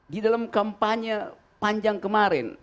di dalam kampanye panjang kemarin